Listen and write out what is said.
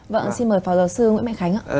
vâng xin mời pháo giáo sư nguyễn mạnh khánh